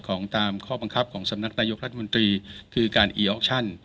ของตามข้อบังคับของสำนักนายกรัฐมนตรีคือการอีออกชั่น